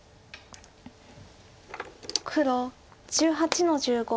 黒１８の十五。